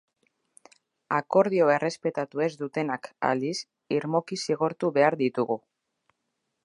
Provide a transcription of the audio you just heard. Akordioa errespetatu ez dutenak, aldiz, irmoki zigortu behar ditugu.